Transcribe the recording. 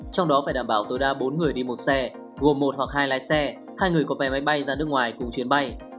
trong đó phải đảm bảo tối đa bốn người đi một xe gồm một hoặc hai lái xe hai người có vé máy bay ra nước ngoài cùng chuyến bay